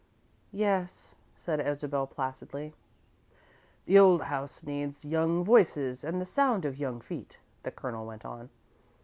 "Yes," said Isabel, placidly. "The old house needs young voices and the sound of young feet," the Colonel went on.